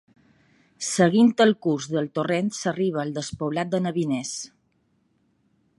Seguint el curs del torrent s'arriba al despoblat de Nabiners.